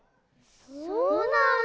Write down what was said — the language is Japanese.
そうなんだ。